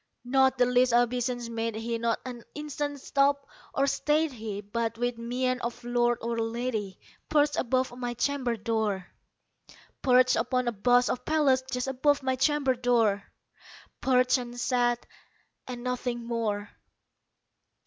Not the least obeisance made he; not an instant stopped or stayed he; But, with mien of lord or lady, perched above my chamber door Perched upon a bust of Pallas just above my chamber door Perched, and sat, and nothing more.